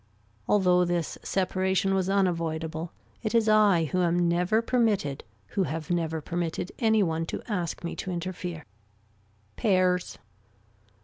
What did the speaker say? Although this separation was unavoidable it is I who am never permitted who have never permitted any one to ask me to interfere. Pears.